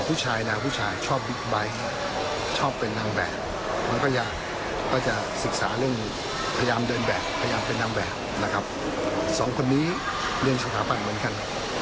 พัยากเป็นนางแบบ๒คนนี้เรียนสมเปียกเหมือนกัน